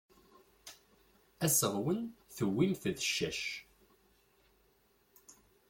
Aseɣwen tewwim-t d ccac.